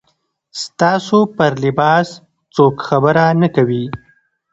ستاسو پر لباس څوک خبره نه کوي.